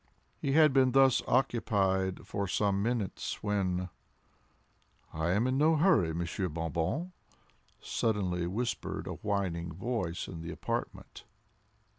He had been thus occupied for some minutes when "I am in no hurry, Monsieur Bon Bon," suddenly whispered a whining voice in the apartment.